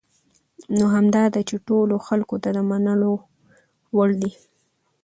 نو همدا ده چې ټولو خلکو ته د منلو وړ دي .